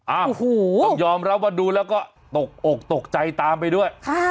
โอ้โหต้องยอมรับว่าดูแล้วก็ตกอกตกใจตามไปด้วยค่ะ